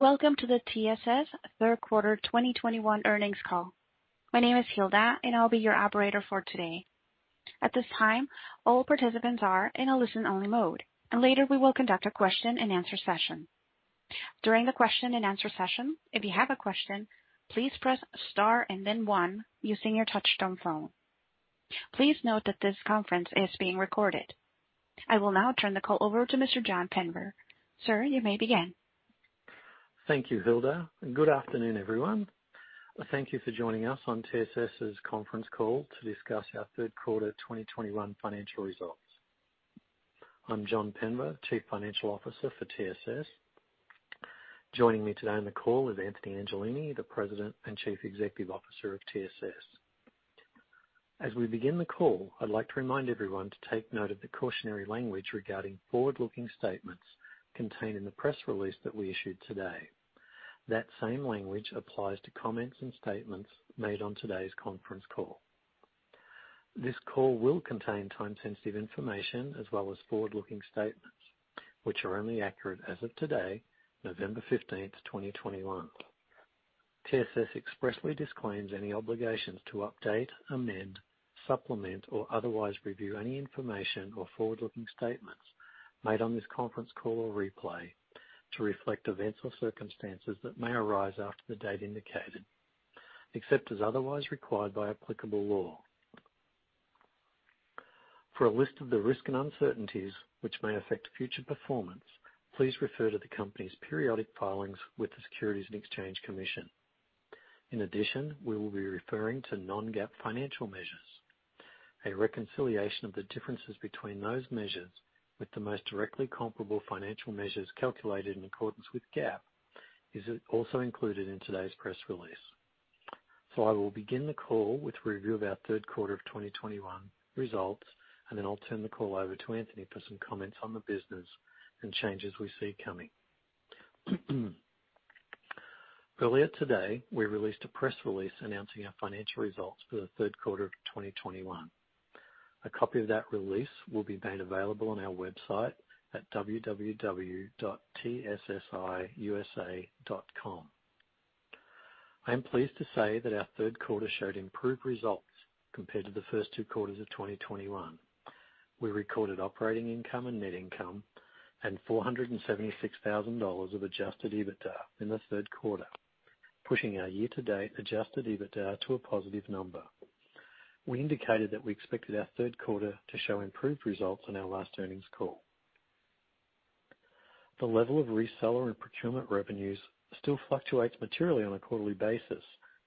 Welcome to the TSS third quarter 2021 earnings call. My name is Hilda, and I'll be your operator for today. At this time, all participants are in a listen-only mode, and later we will conduct a question-and-answer session. During the question-and-answer session, if you have a question, please press star and then one using your touch-tone phone. Please note that this conference is being recorded. I will now turn the call over to Mr. John Penver. Sir, you may begin. Thank you, Hilda. Good afternoon, everyone. Thank you for joining us on TSS's conference call to discuss our third quarter 2021 financial results. I'm John Penver, Chief Financial Officer for TSS. Joining me today on the call is Anthony Angelini, the President and Chief Executive Officer of TSS. As we begin the call, I'd like to remind everyone to take note of the cautionary language regarding forward-looking statements contained in the press release that we issued today. That same language applies to comments and statements made on today's conference call. This call will contain time-sensitive information as well as forward-looking statements, which are only accurate as of today, November 15th, 2021. TSS expressly disclaims any obligations to update, amend, supplement, or otherwise review any information or forward-looking statements made on this conference call or replay to reflect events or circumstances that may arise after the date indicated, except as otherwise required by applicable law. For a list of the risks and uncertainties which may affect future performance, please refer to the company's periodic filings with the Securities and Exchange Commission. In addition, we will be referring to non-GAAP financial measures. A reconciliation of the differences between those measures with the most directly comparable financial measures calculated in accordance with GAAP is also included in today's press release. So I will begin the call with a review of our third quarter of 2021 results, and then I'll turn the call over to Anthony for some comments on the business and changes we see coming. Earlier today, we released a press release announcing our financial results for the third quarter of 2021. A copy of that release will be made available on our website at www.tssiusa.com. I am pleased to say that our third quarter showed improved results compared to the first two quarters of 2021. We recorded operating income and net income and $476,000 of Adjusted EBITDA in the third quarter, pushing our year-to-date Adjusted EBITDA to a positive number. We indicated that we expected our third quarter to show improved results on our last earnings call. The level of reseller and procurement revenues still fluctuates materially on a quarterly basis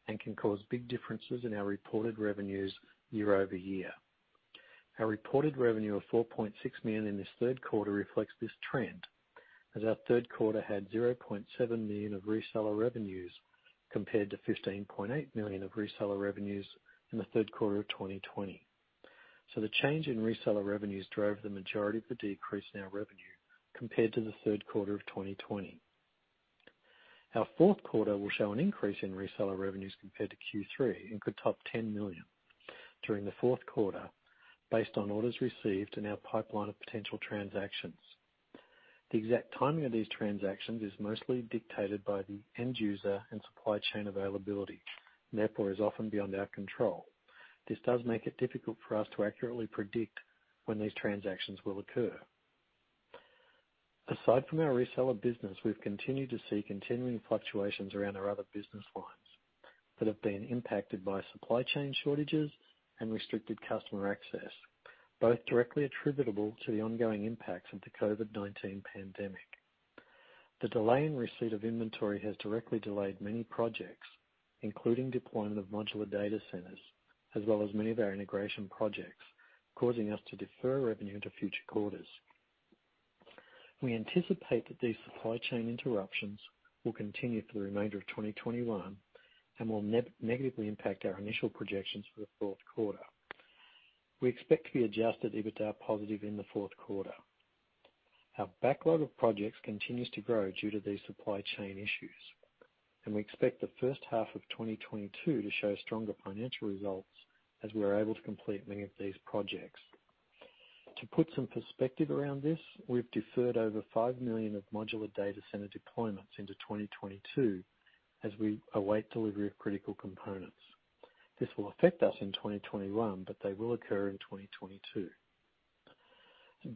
and can cause big differences in our reported revenues year-over-year. Our reported revenue of $4.6 million in this third quarter reflects this trend, as our third quarter had $0.7 million of reseller revenues compared to $15.8 million of reseller revenues in the third quarter of 2020. So the change in reseller revenues drove the majority of the decrease in our revenue compared to the third quarter of 2020. Our fourth quarter will show an increase in reseller revenues compared to Q3 and could top $10 million during the fourth quarter, based on orders received and our pipeline of potential transactions. The exact timing of these transactions is mostly dictated by the end user and supply chain availability, and therefore is often beyond our control. This does make it difficult for us to accurately predict when these transactions will occur. Aside from our reseller business, we've continued to see continuing fluctuations around our other business lines that have been impacted by supply chain shortages and restricted customer access, both directly attributable to the ongoing impacts of the COVID-19 pandemic. The delay in receipt of inventory has directly delayed many projects, including deployment of modular data centers, as well as many of our integration projects, causing us to defer revenue into future quarters. We anticipate that these supply chain interruptions will continue for the remainder of 2021 and will negatively impact our initial projections for the fourth quarter. We expect to be Adjusted EBITDA positive in the fourth quarter. Our backlog of projects continues to grow due to these supply chain issues, and we expect the first half of 2022 to show stronger financial results as we're able to complete many of these projects. To put some perspective around this, we've deferred over $5 million of modular data center deployments into 2022 as we await delivery of critical components. This will affect us in 2021, but they will occur in 2022.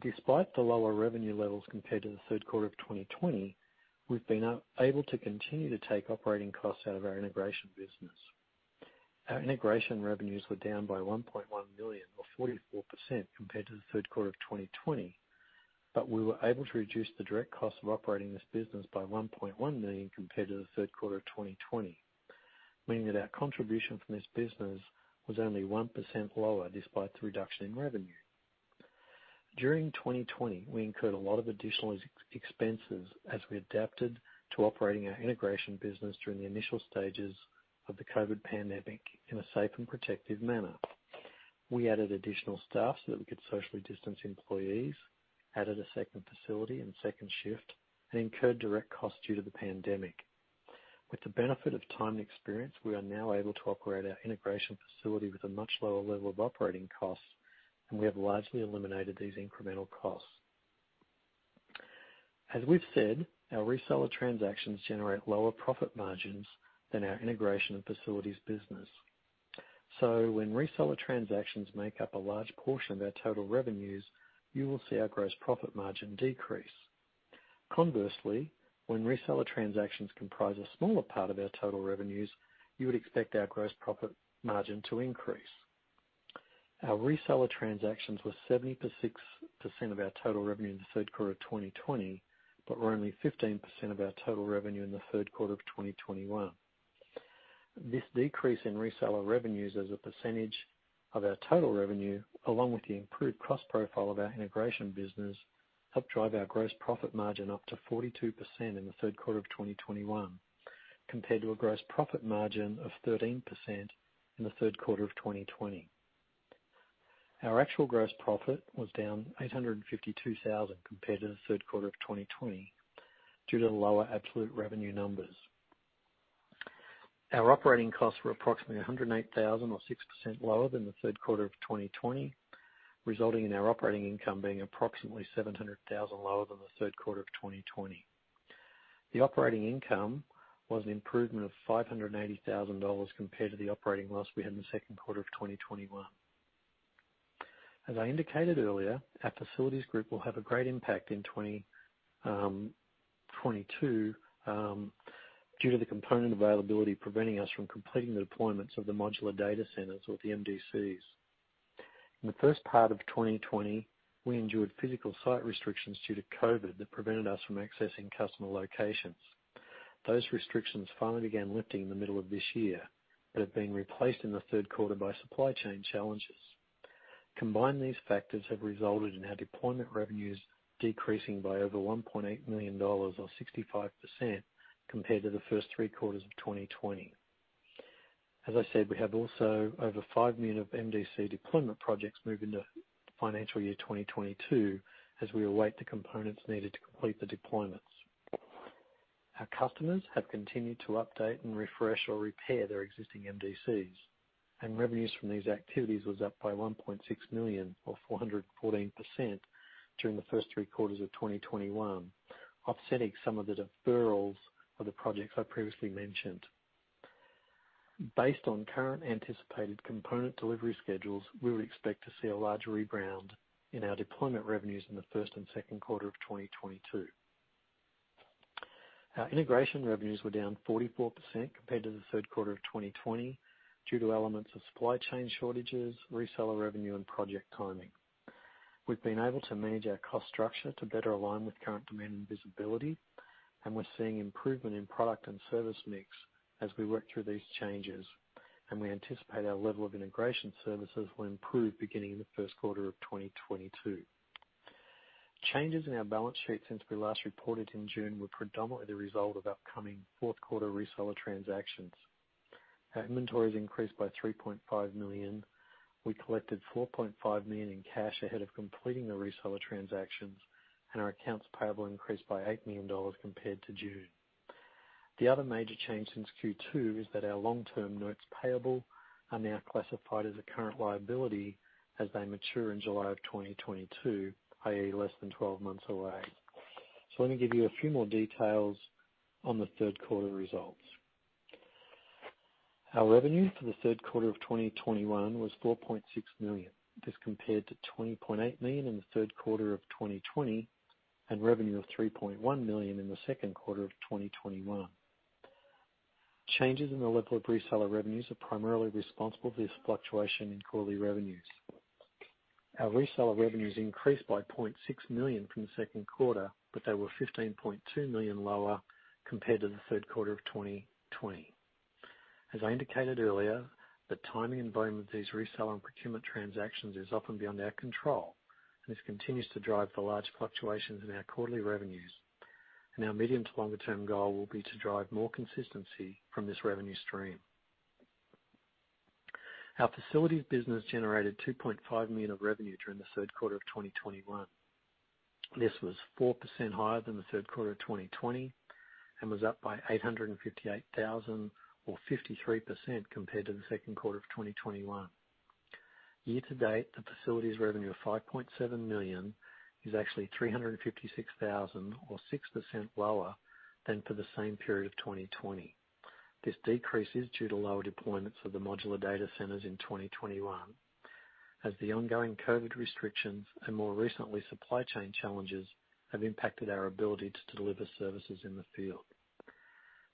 Despite the lower revenue levels compared to the third quarter of 2020, we've been able to continue to take operating costs out of our integration business. Our integration revenues were down by $1.1 million, or 44%, compared to the third quarter of 2020, but we were able to reduce the direct costs of operating this business by $1.1 million compared to the third quarter of 2020, meaning that our contribution from this business was only 1% lower despite the reduction in revenue. During 2020, we incurred a lot of additional expenses as we adapted to operating our integration business during the initial stages of the COVID pandemic in a safe and protective manner. We added additional staff so that we could socially distance employees, added a second facility and second shift, and incurred direct costs due to the pandemic. With the benefit of time and experience, we are now able to operate our integration facility with a much lower level of operating costs, and we have largely eliminated these incremental costs. As we've said, our reseller transactions generate lower profit margins than our integration facility's business. So when reseller transactions make up a large portion of our total revenues, you will see our gross profit margin decrease. Conversely, when reseller transactions comprise a smaller part of our total revenues, you would expect our gross profit margin to increase. Our reseller transactions were 76% of our total revenue in the third quarter of 2020, but were only 15% of our total revenue in the third quarter of 2021. This decrease in reseller revenues as a percentage of our total revenue, along with the improved cost profile of our integration business, helped drive our gross profit margin up to 42% in the third quarter of 2021, compared to a gross profit margin of 13% in the third quarter of 2020. Our actual gross profit was down $852,000 compared to the third quarter of 2020 due to lower absolute revenue numbers. Our operating costs were approximately $108,000, or 6% lower than the third quarter of 2020, resulting in our operating income being approximately $700,000 lower than the third quarter of 2020. The operating income was an improvement of $580,000 compared to the operating loss we had in the second quarter of 2021. As I indicated earlier, our facilities group will have a great impact in 2022 due to the component availability preventing us from completing the deployments of the modular data centers with the MDCs. In the first part of 2020, we endured physical site restrictions due to COVID that prevented us from accessing customer locations. Those restrictions finally began lifting in the middle of this year and have been replaced in the third quarter by supply chain challenges. Combined, these factors have resulted in our deployment revenues decreasing by over $1.8 million, or 65%, compared to the first three quarters of 2020. As I said, we have also over $5 million of MDC deployment projects moving into financial year 2022 as we await the components needed to complete the deployments. Our customers have continued to update and refresh or repair their existing MDCs, and revenues from these activities were up by $1.6 million, or 414%, during the first three quarters of 2021, offsetting some of the deferrals of the projects I previously mentioned. Based on current anticipated component delivery schedules, we would expect to see a large rebound in our deployment revenues in the first and second quarter of 2022. Our integration revenues were down 44% compared to the third quarter of 2020 due to elements of supply chain shortages, reseller revenue, and project timing. We've been able to manage our cost structure to better align with current demand and visibility, and we're seeing improvement in product and service mix as we work through these changes, and we anticipate our level of integration services will improve beginning in the first quarter of 2022. Changes in our balance sheet since we last reported in June were predominantly the result of upcoming fourth quarter reseller transactions. Our inventory has increased by $3.5 million. We collected $4.5 million in cash ahead of completing the reseller transactions, and our accounts payable increased by $8 million compared to June. The other major change since Q2 is that our long-term notes payable are now classified as a current liability as they mature in July of 2022, i.e., less than 12 months away. So let me give you a few more details on the third quarter results. Our revenue for the third quarter of 2021 was $4.6 million. This compared to $20.8 million in the third quarter of 2020 and revenue of $3.1 million in the second quarter of 2021. Changes in the level of reseller revenues are primarily responsible for this fluctuation in quarterly revenues. Our reseller revenues increased by $0.6 million from the second quarter, but they were $15.2 million lower compared to the third quarter of 2020. As I indicated earlier, the timing and volume of these reseller and procurement transactions is often beyond our control, and this continues to drive the large fluctuations in our quarterly revenues. Our medium to longer-term goal will be to drive more consistency from this revenue stream. Our facilities business generated $2.5 million of revenue during the third quarter of 2021. This was 4% higher than the third quarter of 2020 and was up by $858,000, or 53%, compared to the second quarter of 2021. Year-to-date, the facilities revenue of $5.7 million is actually $356,000, or 6% lower than for the same period of 2020. This decrease is due to lower deployments of the modular data centers in 2021, as the ongoing COVID restrictions and, more recently, supply chain challenges have impacted our ability to deliver services in the field.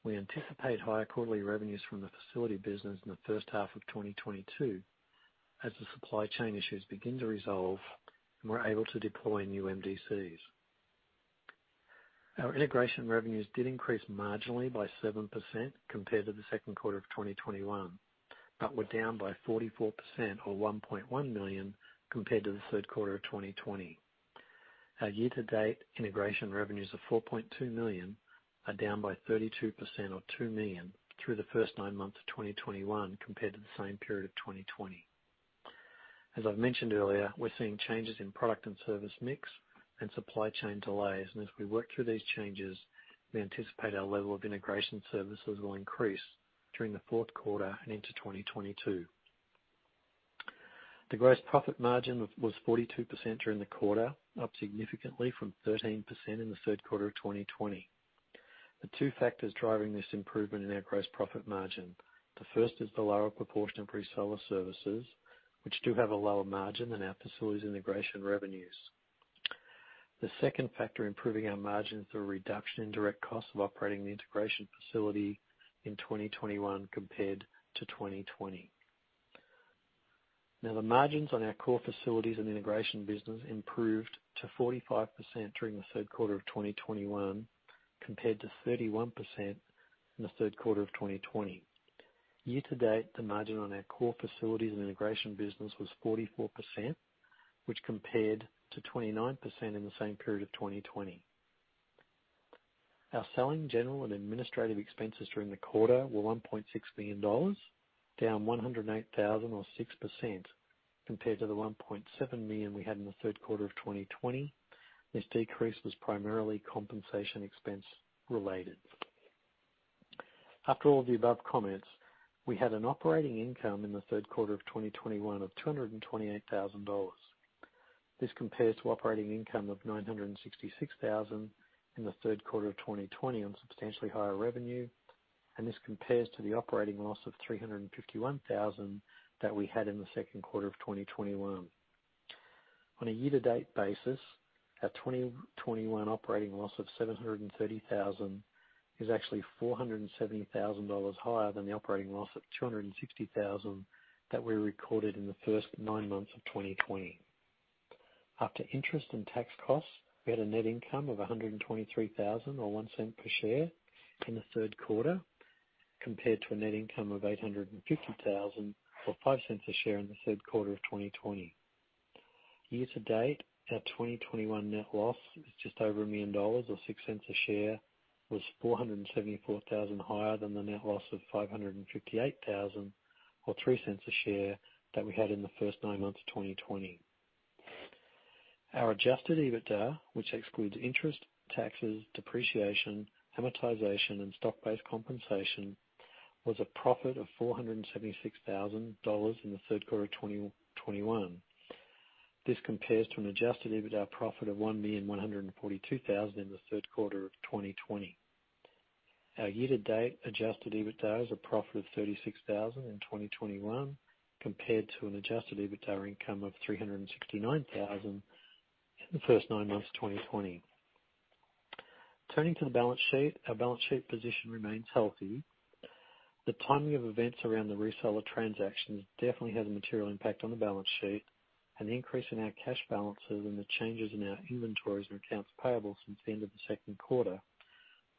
We anticipate higher quarterly revenues from the facility business in the first half of 2022 as the supply chain issues begin to resolve and we're able to deploy new MDCs. Our integration revenues did increase marginally by 7% compared to the second quarter of 2021, but were down by 44%, or $1.1 million, compared to the third quarter of 2020. Our year-to-date integration revenues of $4.2 million are down by 32%, or $2 million, through the first nine months of 2021 compared to the same period of 2020. As I've mentioned earlier, we're seeing changes in product and service mix and supply chain delays, and as we work through these changes, we anticipate our level of integration services will increase during the fourth quarter and into 2022. The gross profit margin was 42% during the quarter, up significantly from 13% in the third quarter of 2020. The two factors driving this improvement in our gross profit margin: the first is the lower proportion of reseller services, which do have a lower margin than our facilities integration revenues. The second factor improving our margins is the reduction in direct costs of operating the integration facility in 2021 compared to 2020. Now, the margins on our core facilities and integration business improved to 45% during the third quarter of 2021 compared to 31% in the third quarter of 2020. Year-to-date, the margin on our core facilities and integration business was 44%, which compared to 29% in the same period of 2020. Our selling, general, and administrative expenses during the quarter were $1.6 million, down $108,000, or 6%, compared to the $1.7 million we had in the third quarter of 2020. This decrease was primarily compensation expense-related. After all of the above comments, we had an operating income in the third quarter of 2021 of $228,000. This compares to operating income of $966,000 in the third quarter of 2020 on substantially higher revenue, and this compares to the operating loss of $351,000 that we had in the second quarter of 2021. On a year-to-date basis, our 2021 operating loss of $730,000 is actually $470,000 higher than the operating loss of $260,000 that we recorded in the first nine months of 2020. After interest and tax costs, we had a net income of $123,000, or $0.01 per share, in the third quarter compared to a net income of $850,000, or $0.05 a share in the third quarter of 2020. Year-to-date, our 2021 net loss is just over $1 million, or $0.06 a share, was $474,000 higher than the net loss of $558,000, or $0.03 a share that we had in the first nine months of 2020. Our Adjusted EBITDA, which excludes interest, taxes, depreciation, amortization, and stock-based compensation, was a profit of $476,000 in the third quarter of 2021. This compares to an Adjusted EBITDA profit of $1,142,000 in the third quarter of 2020. Our year-to-date Adjusted EBITDA is a profit of $36,000 in 2021 compared to an Adjusted EBITDA income of $369,000 in the first nine months of 2020. Turning to the balance sheet, our balance sheet position remains healthy. The timing of events around the reseller transactions definitely has a material impact on the balance sheet, and the increase in our cash balances and the changes in our inventories and accounts payable since the end of the second quarter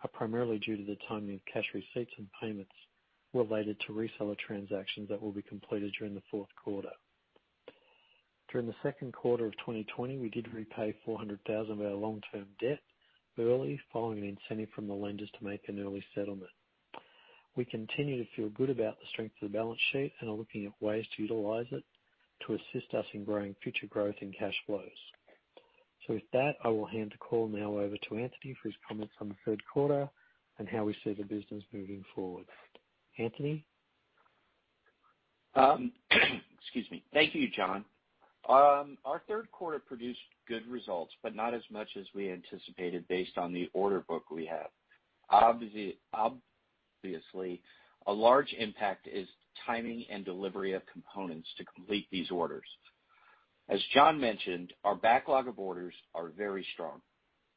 are primarily due to the timing of cash receipts and payments related to reseller transactions that will be completed during the fourth quarter. During the second quarter of 2020, we did repay $400,000 of our long-term debt early following an incentive from the lenders to make an early settlement. We continue to feel good about the strength of the balance sheet and are looking at ways to utilize it to assist us in growing future growth and cash flows. With that, I will hand the call now over to Anthony for his comments on the third quarter and how we see the business moving forward. Anthony? Excuse me. Thank you, John. Our third quarter produced good results, but not as much as we anticipated based on the order book we have. Obviously, a large impact is timing and delivery of components to complete these orders. As John mentioned, our backlog of orders are very strong.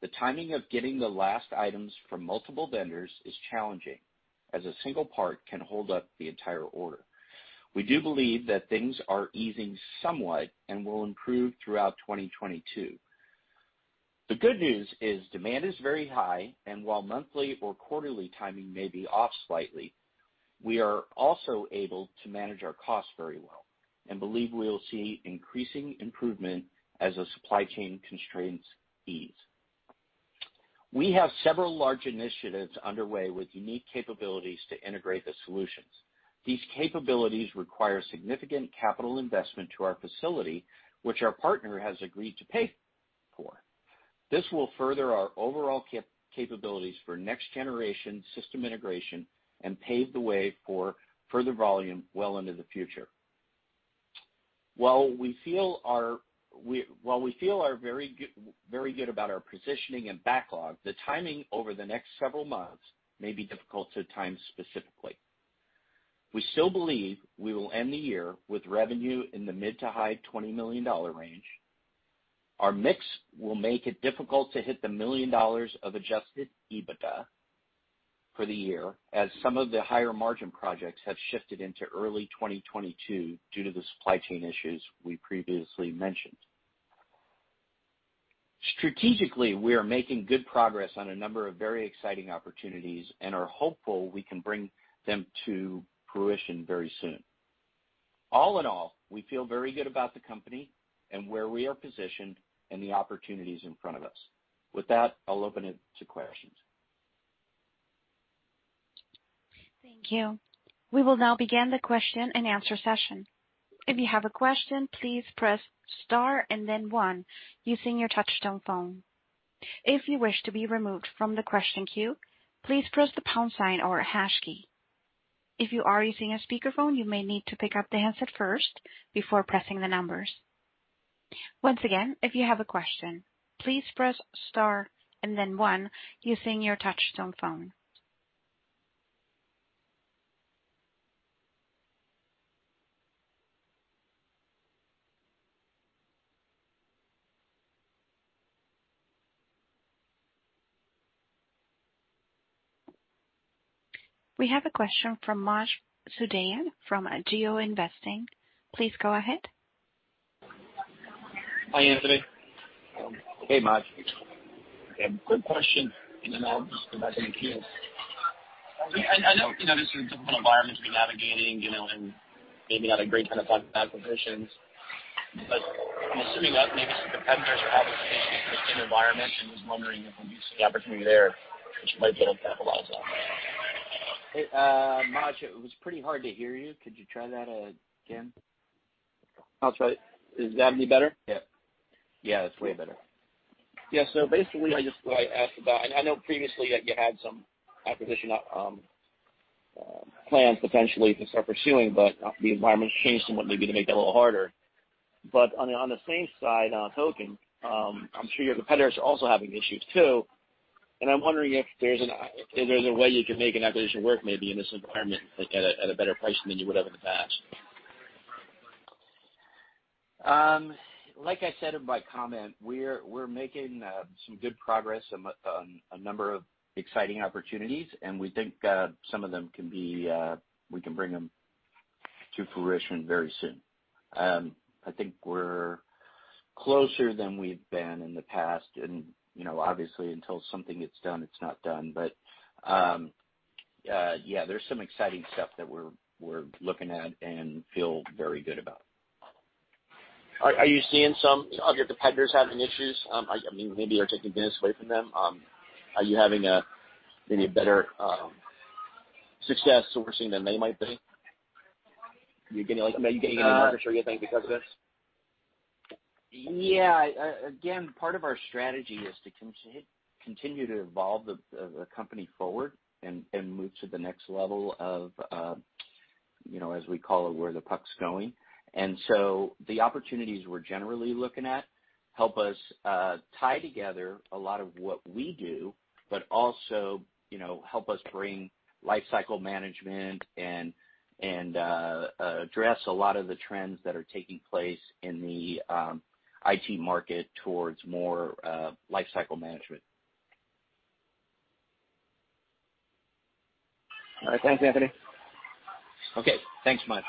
The timing of getting the last items from multiple vendors is challenging, as a single part can hold up the entire order. We do believe that things are easing somewhat and will improve throughout 2022. The good news is demand is very high, and while monthly or quarterly timing may be off slightly, we are also able to manage our costs very well and believe we will see increasing improvement as our supply chain constraints ease. We have several large initiatives underway with unique capabilities to integrate the solutions. These capabilities require significant capital investment to our facility, which our partner has agreed to pay for. This will further our overall capabilities for next-generation system integration and pave the way for further volume well into the future. While we feel very good about our positioning and backlog, the timing over the next several months may be difficult to time specifically. We still believe we will end the year with revenue in the mid- to high-$20 million range. Our mix will make it difficult to hit the $1 million of Adjusted EBITDA for the year, as some of the higher margin projects have shifted into early 2022 due to the supply chain issues we previously mentioned. Strategically, we are making good progress on a number of very exciting opportunities and are hopeful we can bring them to fruition very soon. All in all, we feel very good about the company and where we are positioned and the opportunities in front of us. With that, I'll open it to questions. Thank you. We will now begin the question-and-answer session. If you have a question, please press star and then one using your touch-tone phone. If you wish to be removed from the question queue, please press the pound sign or hash key. If you are using a speakerphone, you may need to pick up the handset first before pressing the numbers. Once again, if you have a question, please press star and then one using your touch-tone phone. We have a question from Maj Soueidan from GeoInvesting. Please go ahead. Hi, Anthony. Hey, Maj. I have a quick question, and then I'll just go back in the queue. I know this is a difficult environment to be navigating and maybe not a great time to talk to acquisitions, but I'm assuming that maybe some competitors are having issues in the same environment and just wondering if we do see an opportunity there that you might be able to capitalize on. Maj, it was pretty hard to hear you. Could you try that again? I'll try it. Is that any better? Yeah, that's way better. Yeah. So basically, I just asked about. I know previously that you had some acquisition plans potentially to start pursuing, but the environment's changed somewhat maybe to make it a little harder. But on the same side, by the same token, I'm sure your competitors are also having issues too, and I'm wondering if there's a way you can make an acquisition work maybe in this environment at a better price than you would have in the past. Like I said in my comment, we're making some good progress on a number of exciting opportunities, and we think some of them we can bring them to fruition very soon. I think we're closer than we've been in the past, and obviously, until something gets done, it's not done. But yeah, there's some exciting stuff that we're looking at and feel very good about. Are you seeing some of your competitors having issues? I mean, maybe they're taking business away from them. Are you having maybe a better success sourcing than they might be? Are you getting any margins or anything because of this? Yeah. Again, part of our strategy is to continue to evolve the company forward and move to the next level of, as we call it, where the puck's going. And so the opportunities we're generally looking at help us tie together a lot of what we do, but also help us bring lifecycle management and address a lot of the trends that are taking place in the IT market towards more lifecycle management. All right. Thanks, Anthony. Okay. Thanks, Maj.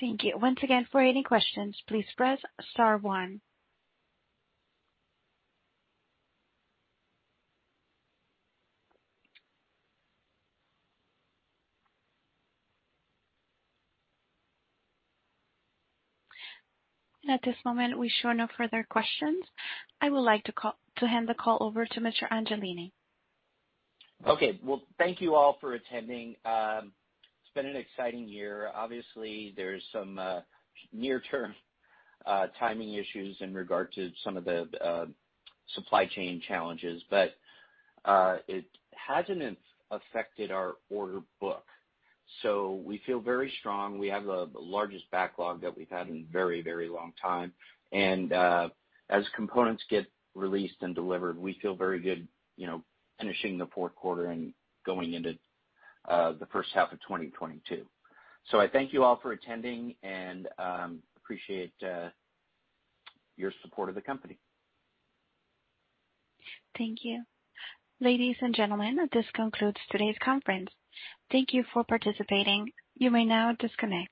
Thank you. Once again, for any questions, please press star one. And at this moment, we show no further questions. I would like to hand the call over to Mr. Angelini. Okay. Well, thank you all for attending. It's been an exciting year. Obviously, there's some near-term timing issues in regard to some of the supply chain challenges, but it hasn't affected our order book. So we feel very strong. We have the largest backlog that we've had in a very, very long time. And as components get released and delivered, we feel very good finishing the fourth quarter and going into the first half of 2022. So I thank you all for attending and appreciate your support of the company. Thank you. Ladies and gentlemen, this concludes today's conference. Thank you for participating. You may now disconnect.